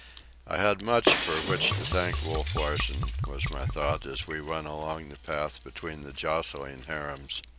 I had much for which to thank Wolf Larsen, was my thought as we went along the path between the jostling harems.